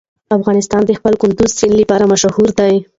افغانستان د خپل کندز سیند لپاره مشهور دی.